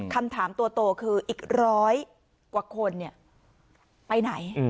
คำถามตัวโตคืออีกร้อยกว่าคนไปไหน